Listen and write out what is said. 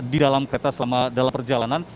di dalam kereta selama dalam perjalanan